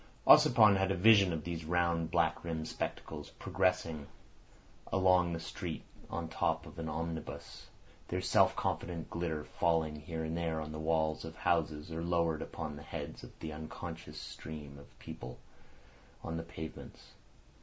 Ossipon had a vision of these round black rimmed spectacles progressing along the streets on the top of an omnibus, their self confident glitter falling here and there on the walls of houses or lowered upon the heads of the unconscious stream of people on the pavements.